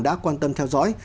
đã quan tâm theo dõi